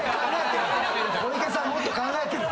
もっと考えてる。